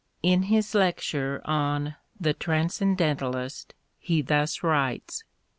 In his lecture on " The Transcendentalist " he thus writes.